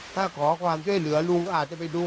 ถ้าขอความช่วยเหลือลุงอาจจะไปดู